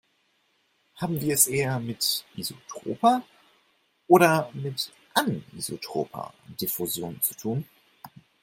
Haben wir es eher mit isotroper oder mit anisotroper Diffusion zu tun?